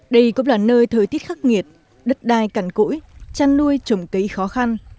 đây cũng là nơi thời tiết khắc nghiệt đất đai cằn cỗi chăn nuôi trồng cây khó khăn